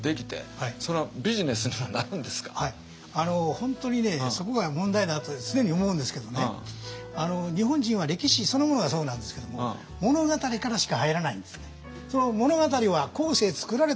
本当にねそこが問題になると常に思うんですけどね日本人は歴史そのものがそうなんですけどもいろいろ小説がね。